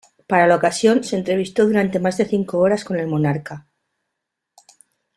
Para la ocasión, se entrevistó durante más de cinco horas con el monarca.